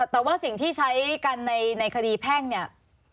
แต่ว่าสิ่งที่ใช้กันในคดีแพ่งเนี่ย